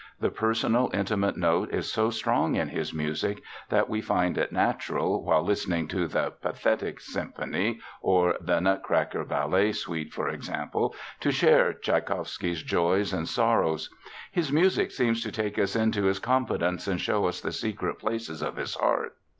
The personal, intimate note is so strong in this music that we find it natural, while listening to the Pathetic symphony or the Nutcracker ballet suite, for example, to share Tschaikowsky's joys and sorrows. His music seems to take us into his confidence and show us the secret places of his heart.